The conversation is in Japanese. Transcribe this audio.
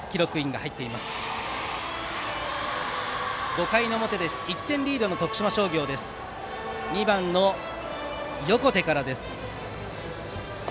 ５回の表１点リードの徳島商業は２番、横手からです。